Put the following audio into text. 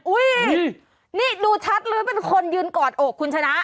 อุ้ยนี่ดูชัดเลยว่าเป็นคนยืนกอดอกคุณชนะ